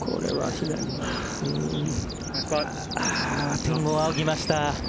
天を仰ぎました。